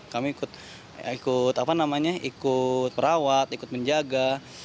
kami ikut merawat ikut menjaga